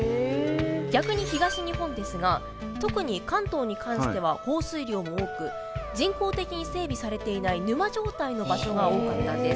逆に東日本ですが特に関東に関しては降水量も多く人工的に整備されていない沼状態の場所が多かったんです。